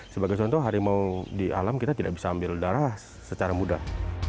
sebagai contoh harimau di alam kita tidak bisa ambil darah secara mudah